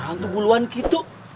hantu buluan gitu